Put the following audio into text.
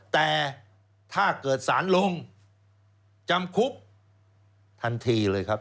แต่ถ้าเกิดสารลงจำคุกทันทีเลยครับ